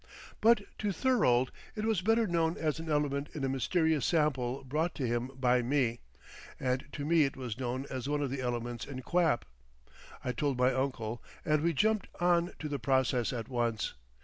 But to Thorold it was better known as an element in a mysterious sample brought to him by me, and to me it was known as one of the elements in quap. I told my uncle, and we jumped on to the process at once.